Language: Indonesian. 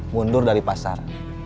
mundur dari pasar